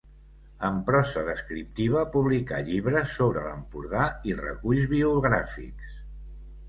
En prosa descriptiva publicà llibres sobre l’Empordà i reculls biogràfics.